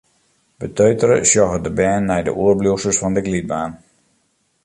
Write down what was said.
Beteutere sjogge de bern nei de oerbliuwsels fan de glydbaan.